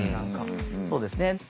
そうですね。